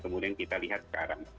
kemudian kita lihat sekarang